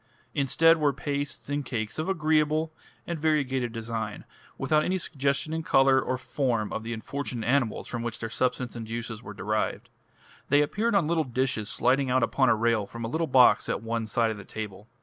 Instead were pastes and cakes of agreeable and variegated design, without any suggestion in colour or form of the unfortunate animals from which their substance and juices were derived. They appeared on little dishes sliding out upon a rail from a little box at one side of the table.